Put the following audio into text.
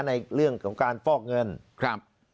ในเรื่องของการฟอกเงินครับ